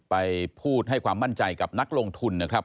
ไปพูดให้ความมั่นใจกับนักลงทุนนะครับ